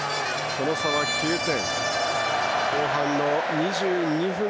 その差は９点。